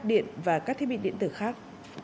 các điện và các thiết bị điện tử khác